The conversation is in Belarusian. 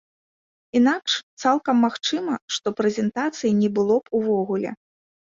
Інакш, цалкам магчыма, што прэзентацыі не было б увогуле.